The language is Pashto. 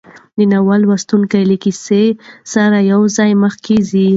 د ناول لوستونکی له کیسې سره یوځای مخکې ځي.